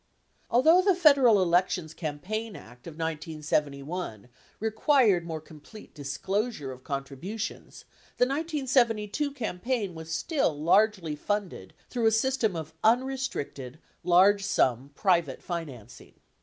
Although the Federal Elections Campaign Act of 1971 required more complete disclosure of contribu tions, the 1972 campaign was still largely funded through a system of unrestricted, large sum private financing.